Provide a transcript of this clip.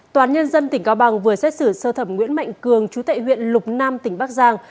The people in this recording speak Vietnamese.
tòa án nhân dân tỉnh cao bằng vừa xét xử sơ thẩm nguyễn mạnh cường chú tệ huyện lục nam tỉnh bắc giang